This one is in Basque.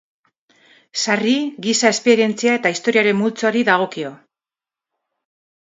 Sarri, giza esperientzia eta historiaren multzoari dagokio.